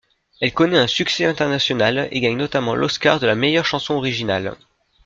Elle connaît un succès international et gagne notamment l'Oscar de la meilleure chanson originale.